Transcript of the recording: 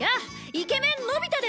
イケメンのび太です！